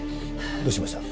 どうしました？